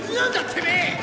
てめえ！